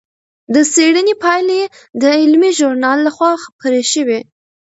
د څېړنې پایلې د علمي ژورنال لخوا خپرې شوې.